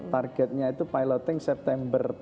targetnya itu piloting september